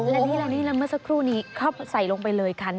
แล้วนี่มาสักครู่นี้เข้าใส่ลงไปเลยค่ะน้ำปลาร้า